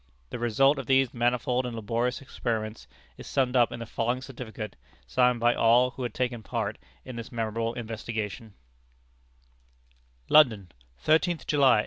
The result of these manifold and laborious experiments is summed up in the following certificate, signed by all who had taken part in this memorable investigation: "London, 13th July, 1863.